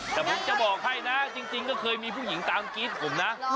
แต่ผมจะบอกให้นะจริงก็เคยมีผู้หญิงตามกรี๊ดผมนะ